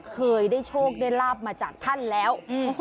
เคยได้โชคได้ลาบมาจากท่านแล้ว